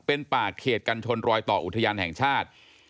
เป็นป่าเขตกันชนรอยต่ออุทยานแห่งชาติ